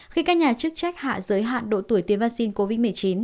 khi các nhà chức trách hạ giới hạn độ tuổi tiêm vaccine covid một mươi chín